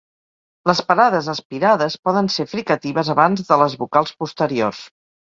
Les parades aspirades poden ser fricatives abans de les vocals posteriors.